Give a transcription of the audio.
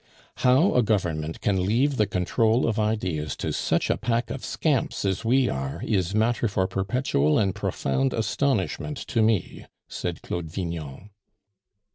"How a Government can leave the control of ideas to such a pack of scamps as we are, is matter for perpetual and profound astonishment to me," said Claude Vignon.